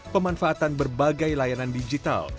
pemanfaatan berbagai layanan digital